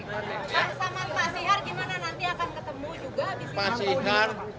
pak sama pak sihar gimana nanti akan ketemu juga di sini